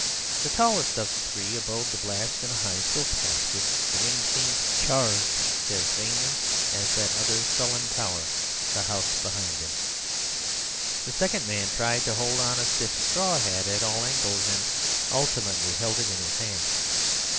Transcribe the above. The tallest of the three abode the blast in a high silk hat, which the wind seemed to charge as vainly as that other sullen tower, the house behind him. The second man tried to hold on a stiff straw hat at all angles, and ultimately held it in his hand.